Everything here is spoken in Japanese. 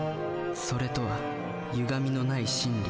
「それ」とはゆがみのない真理。